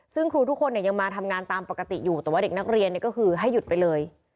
ซึ่งครูทุกคนยังมาทำงานตามปกติอยู่แต่ว่าเด็กนักเรียนก็คือให้หยุดไปเลย